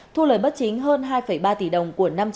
thu lời bất chính hơn hai ba tỷ đồng